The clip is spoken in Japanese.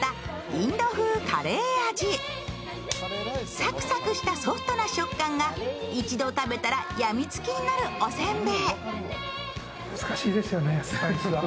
サクサクしたソフトな食感が一度食べたらやみつきになるお煎餅。